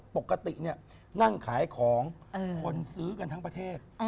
ปกตินั่งขายของคนซื้อกันทั้งประเทศ